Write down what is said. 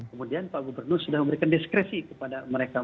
kemudian pak gubernur sudah memberikan diskresi kepada mereka